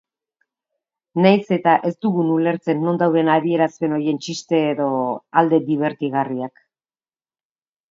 Nahiz eta ez dugun ulertzen non dauden adierazpen horien txiste edo alde dibertigarriak.